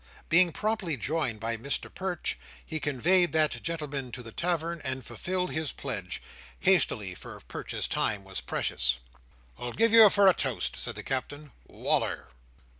Being promptly joined by Mr Perch, he conveyed that gentleman to the tavern, and fulfilled his pledge—hastily, for Perch's time was precious. "I'll give you for a toast," said the Captain, "Wal"r!"